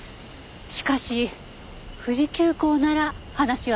しかし富士急行なら話は別です。